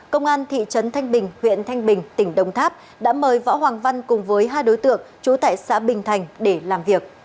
công an thị trấn thanh bình huyện thanh bình tỉnh đồng tháp đã mời võ hoàng văn cùng với hai đối tượng trú tại xã bình thành để làm việc